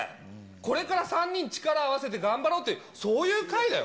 これから３人、力合わせて頑張ろうって、そういう会だよ。